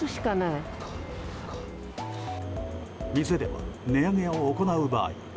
店では値上げを行う場合